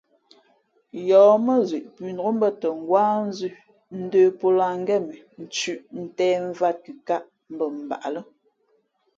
Yɔ̌ mά zʉʼ pʉnǒk mbᾱtα ngwáá nzʉ̄ ndə̄ pō lǎh ngén mʉ nthʉ̄ ntēh mvāt, kʉkāʼ mbα mbaʼ lά.